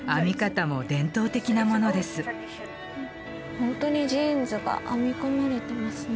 ほんとにジーンズが編み込まれてますね。